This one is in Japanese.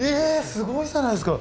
すごいじゃないですか！